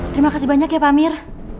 terima kasih banyak ya pak amir